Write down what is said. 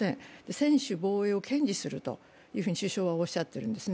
専守防衛を堅持すると首相はおっしゃっているんですね。